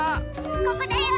ここだよ！